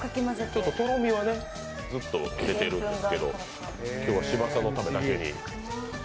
ちょっととろみは出てるんですけど、今日は芝さんのために。